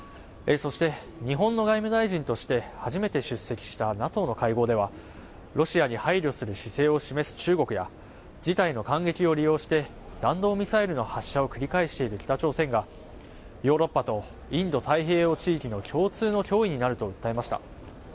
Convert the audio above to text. そして、日本の外務大臣として初めて出席したＮＡＴＯの会合では、ロシアに配慮する姿勢を示す中国や、事態の間隙を利用して、弾道ミサイルの発射を繰り返している北朝鮮が、ヨーロッパとインド太平洋地域の共通の脅威になると訴えました。